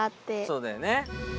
そうだよね。